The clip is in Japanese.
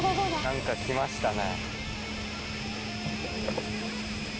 何かきましたね。